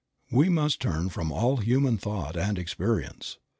We must turn from all human thought and experience.